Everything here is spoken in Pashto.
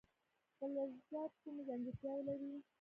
فلزات کومې ځانګړتیاوې لري.